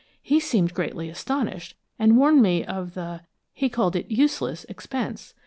He seemed greatly astonished, and warned me of the he called it 'useless' expense.